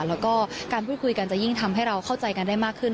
แล้วก็การพูดคุยกันจะยิ่งทำให้เราเข้าใจกันได้มากขึ้น